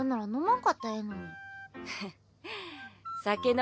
ん？